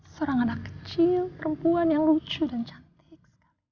seorang anak kecil perempuan yang lucu dan cantik sekali